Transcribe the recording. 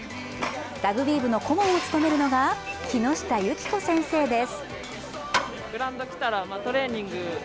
ラグビー部の顧問を務めるのが木下友紀子先生です。